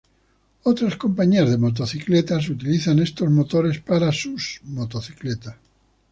Otras compañías de motocicletas utilizan estos motores para sus motocicletas.